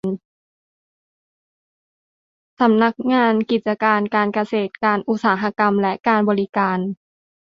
สำนักงานกิจการการเกษตรการอุตสาหกรรมและการบริการ